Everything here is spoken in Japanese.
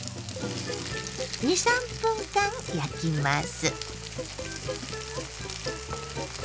２３分間焼きます。